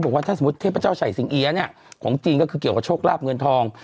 บอกว่าถ้าสมมุติเทพเจ้าชัยสิงเอี๊ยเนี่ยของจริงก็คือเกี่ยวกับโชคลาบเงินทอง